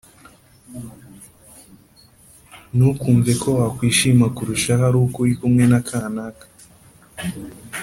ntukumve ko wakwishima kurushaho ari uko uri kumwe na kanaka,